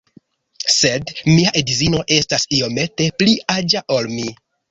Sed mia edzino estas iomete pli aĝa ol mi